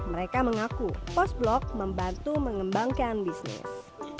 mereka mengaku post blok membantu mengembangkan bisnis